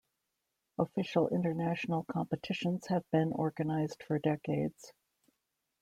Official international competitions have been organised for decades.